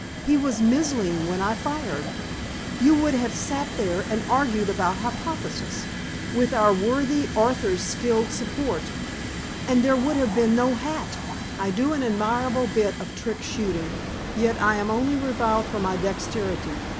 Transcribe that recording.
He was mizzling when I fired. You would have sat there and argued about hypnosis, with our worthy author's skilled support. And there would have been no hat! I do an admirable bit of trick shooting, yet I am only reviled for my dexterity.